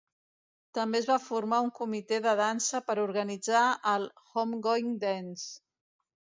També es va formar un comitè de dansa per organitzar el Homegoing Dance.